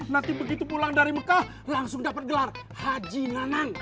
nanti begitu pulang dari mekah langsung dapat gelar haji nanang